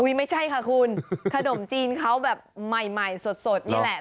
ไม่ใช่ค่ะคุณขนมจีนเขาแบบใหม่สดนี่แหละ